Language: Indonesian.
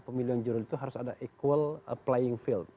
pemilu yang jurdil itu harus ada equal playing field